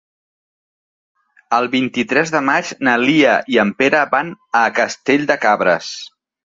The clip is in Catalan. El vint-i-tres de maig na Lia i en Pere van a Castell de Cabres.